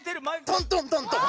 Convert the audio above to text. トントントントン。